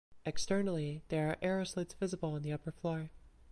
Externally there are arrowslits visible on the upper floor.